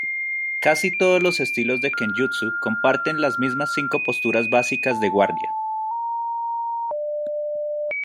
Casi todos los estilos de kenjutsu comparten las mismas cinco posturas básicas de guardia.